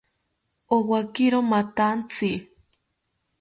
Owakiro mathantzi